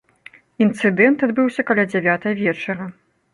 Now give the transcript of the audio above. Інцыдэнт адбыўся каля дзявятай вечара.